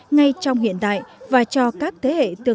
ngay trong hiện đại